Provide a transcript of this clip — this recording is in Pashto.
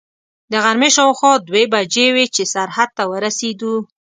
د غرمې شاوخوا دوې بجې وې چې سرحد ته ورسېدو.